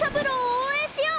おうえんしよう！